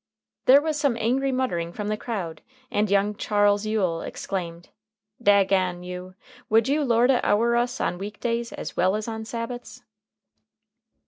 '" "There was some angry muttering from the crowd, and young Charles Yuill exclaimed, 'Dagon you, would you lord it ower us on week days as well as on Sabbaths?'"